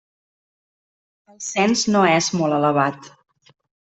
El cens no és molt elevat.